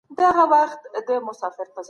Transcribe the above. کيدای سي چي خلګ ستاسو د ښه تخلص څخه اغېزمن سي.